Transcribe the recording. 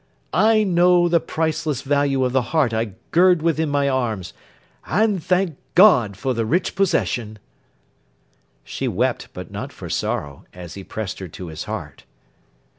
I know the priceless value of the heart I gird within my arms, and thank GOD for the rich possession!' She wept, but not for sorrow, as he pressed her to his heart.